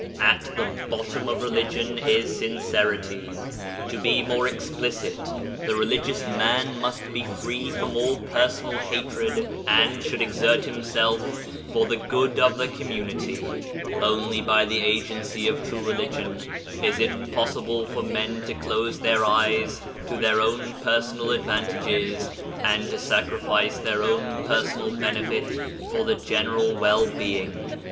At the bottom of religion is sincerity; to be ^ Quran ii. 177. 'IbU.lix.9, 108 Digitized by Google OF CIVILIZATION more explicit, the religious man must be free from all personal hatred and should exert himself for the good of the community. Only by the agency of true religion is it possible for men to close their eyes to their own personal advantages and to sacri fice their own personal benefit for the general well being.